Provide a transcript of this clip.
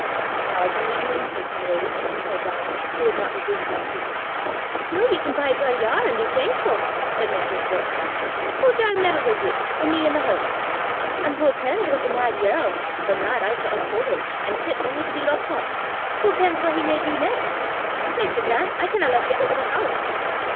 "Now I can leave you in peace, my lady!" said Donal, who had not resumed his seat. "Noo ye can bide whaur ye are, an' be thankfu'!" said mistress Brookes. "Wha daur meddle wi' ye, an' me i' the hoose! An' wha kens what the mad yerl for mad I s' uphaud him, an' fit only to be lockit up wha kens what he may do neist! Maister Grant, I cannot lat ye oot o' the hoose."